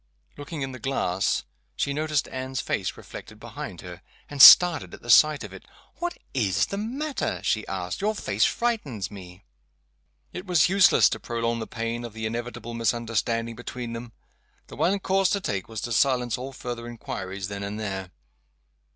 Looking in the glass, she noticed Anne's face reflected behind her, and started at the sight of it. "What is the matter?" she asked. "Your face frightens me." It was useless to prolong the pain of the inevitable misunderstanding between them. The one course to take was to silence all further inquiries then and there.